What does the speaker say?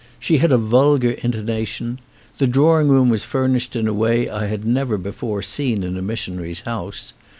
She had a vulgar intonation. The drawing room was furnished in a way I had never before seen in a missionary's house.